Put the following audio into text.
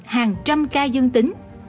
hàng trăm ca dương tính